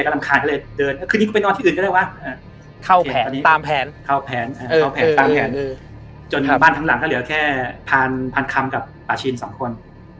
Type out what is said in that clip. ท้องแผ่นจนบ้านทั้งหลังก็เหลือแค่พันคำกับป่าชิน๒คน